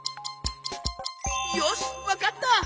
よしわかった！